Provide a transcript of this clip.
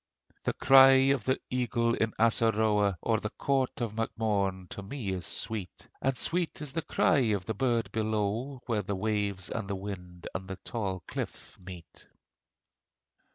The cry of the eagle of Assaroe O'er the court of Mac Morne to me is sweet, And sweet is the cry of the bird below Where the wave and the wind and the tall cliff meet.